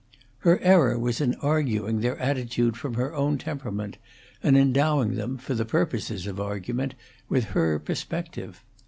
Her error was in arguing their attitude from her own temperament, and endowing them, for the purposes of argument, with her perspective.